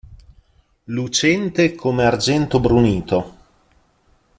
Lucente come argento brunito.